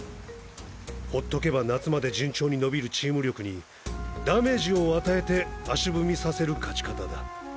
ほっとけば夏まで順調に伸びるチーム力にダメージを与えて足踏みさせる勝ち方だ。